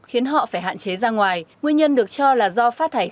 khiến họ phải hạn chế ra ngoài nguyên nhân được cho là do phát thải